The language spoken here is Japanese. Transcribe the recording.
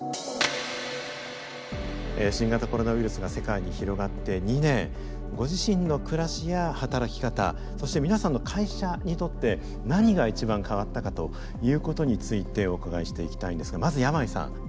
新型コロナウイルスが世界に広がって２年ご自身の暮らしや働き方そして皆さんの会社にとって何が一番変わったかということについてお伺いしていきたいんですがまず山井さん。